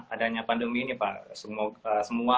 adanya pandemi ini pak semua